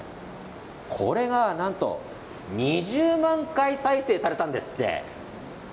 これが、なんと２０万回再生されたんですって。